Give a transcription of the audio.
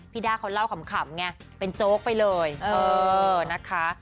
พี่ด้านเขาเล่าขำเป็นโจ๊กไปเลยนะคะ